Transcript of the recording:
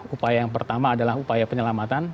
upaya yang pertama adalah upaya penyelamatan